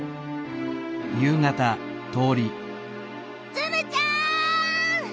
ツムちゃん！